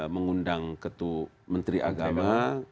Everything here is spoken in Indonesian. mengundang ketua menteri agama